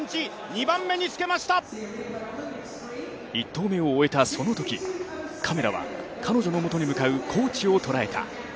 １投目を終えたそのときカメラは彼女のもとに向かうコーチを捉えた。